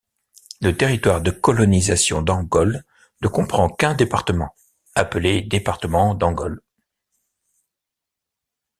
Le territoire de colonisation d'Angol ne comprend qu'un département, appelé département d'Angol.